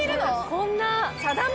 こんな。